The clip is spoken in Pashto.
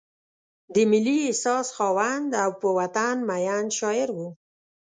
د ملي احساس خاوند او په وطن مین شاعر و.